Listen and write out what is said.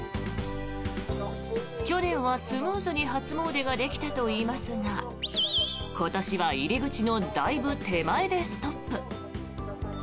去年はスムーズに初詣ができたといいますが今年は入り口のだいぶ手前でストップ。